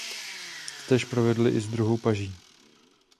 Totéž provedli i s druhou paží.